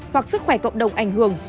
hoặc sức khỏe cộng đồng ảnh hưởng